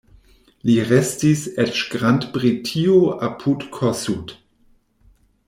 Li restis eĉ Grand-Britio apud Kossuth.